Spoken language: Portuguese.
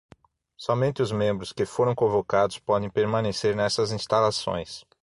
Somente os membros que foram convocados podem permanecer nessas instalações.